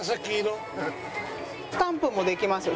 スタンプもできますよ。